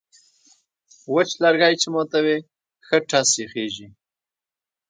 وچ لرگی چې ماتوې، ښه ټس یې خېژي.